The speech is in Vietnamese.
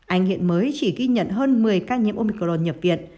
anh hiện mới chỉ ghi nhận hơn một mươi ca nhiễm uncron nhập viện